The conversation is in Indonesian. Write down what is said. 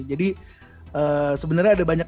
jadi sebenarnya ada banyak